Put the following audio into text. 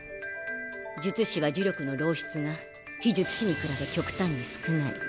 術師は呪力の漏出が非術師に比べ極端に少ない。